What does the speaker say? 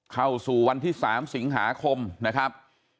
เข้าสู่วันที่๓สิงหาคมนะครับ